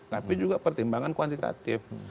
tapi juga pertimbangan kuantitatif